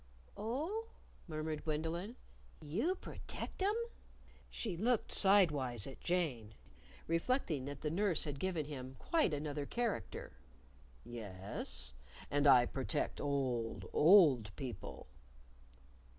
"Oh?" murmured Gwendolyn. "You protect 'em?" She looked sidewise at Jane, reflecting that the nurse had given him quite another character. "Yes; and I protect old, old people."